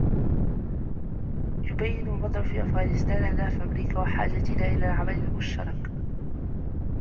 يبين الوضع في أفغانستان أهداف أمريكا وحاجتنا إلى العمل المشترك.